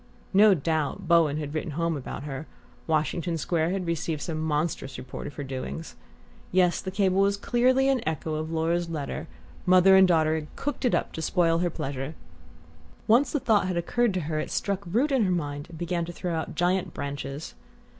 No doubt Bowen had written home about her Washington Square had received some monstrous report of her doings!... Yes, the cable was clearly an echo of Laura's letter mother and daughter had cooked it up to spoil her pleasure. Once the thought had occurred to her it struck root in her mind and began to throw out giant branches.